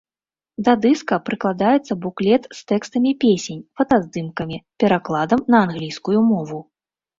Да дыска прыкладаецца буклет з тэкстамі песень, фотаздымкамі, перакладам на англійскую мову.